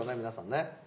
皆さんね。